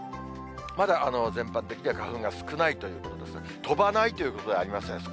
まだ全般的には花粉が少ないということですが、飛ばないということではありません。